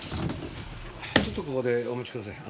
ちょっとここでお待ちください。